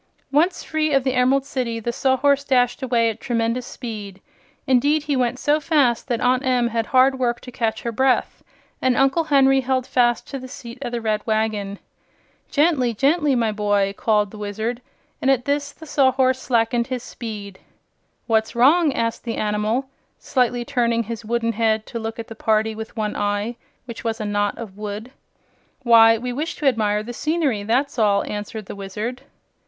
Once free of the Emerald City the Sawhorse dashed away at tremendous speed. Indeed, he went so fast that Aunt Em had hard work to catch her breath, and Uncle Henry held fast to the seat of the red wagon. "Gently gently, my boy!" called the Wizard, and at this the Sawhorse slackened his speed. "What's wrong?" asked the animal, slightly turning his wooden head to look at the party with one eye, which was a knot of wood. "Why, we wish to admire the scenery, that's all," answered the Wizard.